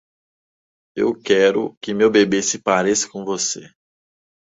Eu quero que meu bebê se pareça com você.